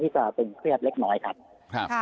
ที่จะเป็นเครียดเล็กน้อยครับ